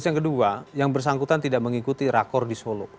yang kedua yang bersangkutan tidak mengikuti rakor di solo